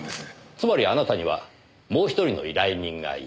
つまりあなたにはもう１人の依頼人がいた。